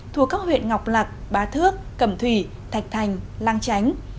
thuộc các huyện ngọc lạc bá thước cẩm thủy thạch thành lăng chánh